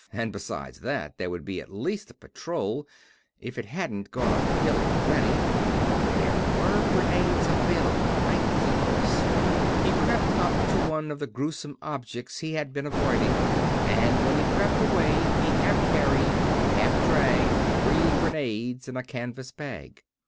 And besides ... and besides that, there would be at least a patrol, if it hadn't gone up the hill already. And there were grenades available, right close.... He crept up to one of the gruesome objects he had been avoiding, and when he crept away he half carried, half dragged three grenades in a canvas bag.